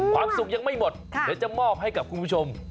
ความสุขยังไม่หมดเดี๋ยวจะมอบให้กับคุณผู้ชม